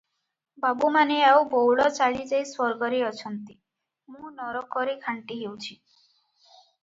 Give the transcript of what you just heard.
ବାବୁମାନେ ଆଉ ବଉଳ ଚାଲି ଯାଇ ସ୍ୱର୍ଗରେ ଅଛନ୍ତି, ମୁଁ ନରକରେ ଘାଣ୍ଟି ହେଉଛି ।